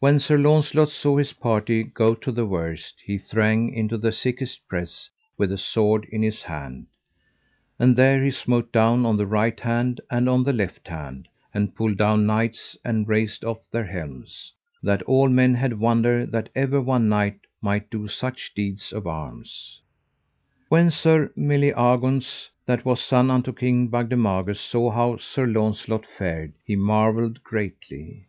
When Sir Launcelot saw his party go to the worst he thrang into the thickest press with a sword in his hand; and there he smote down on the right hand and on the left hand, and pulled down knights and raced off their helms, that all men had wonder that ever one knight might do such deeds of arms. When Sir Meliagaunce, that was son unto King Bagdemagus, saw how Sir Launcelot fared he marvelled greatly.